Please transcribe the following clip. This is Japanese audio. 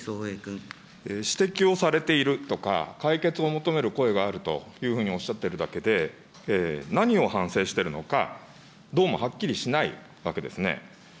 指摘をされているとか、解決を求める声があるというふうにおっしゃってるだけで、何を反省してるのか、どうもはっきりしないわけですね。